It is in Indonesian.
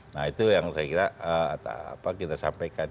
nah itu yang saya kira kita sampaikan